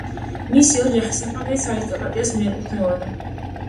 მისი ოჯახი საფრანგეთის არისტოკრატიას მიეკუთვნებოდა.